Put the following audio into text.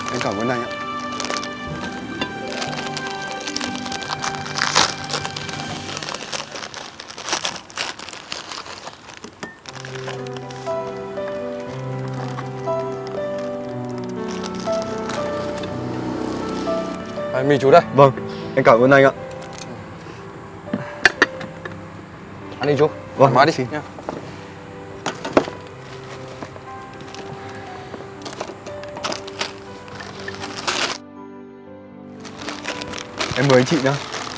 em mời anh chị nhá